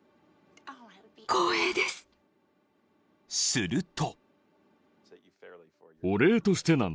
［すると］